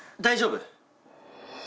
大丈夫。